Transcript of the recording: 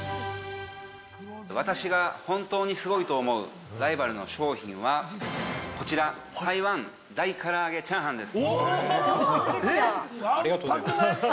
私が本当にすごいと思うライバルの商品は、こちら、台湾大からあげチャーハンです。